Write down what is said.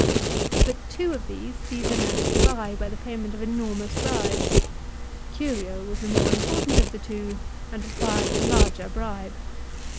But two of these Caesar managed to buy by the payment of enormous bribes. Curio was the more im portant of the two and required the larger bribe.